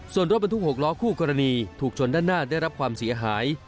ส่วนรถบรรทุก๖ล้อคู่กรณีถูกชนด้านหน้าได้รับความเสียหาย